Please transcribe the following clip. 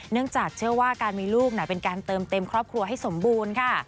เนื่องจากเชื่อว่าการมีลูกเป็นการเติมเต็มครอบครัวให้สมบูรณ์ค่ะ